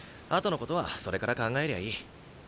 後のことはそれから考えりゃいい。